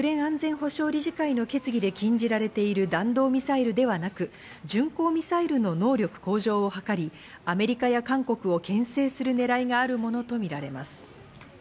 北朝鮮としては国連安全保障理事会の決議で禁じられている弾道ミサイルではなく、巡航ミサイルの能力向上を図り、アメリカや韓国を牽制するねらいがあるものとみられます。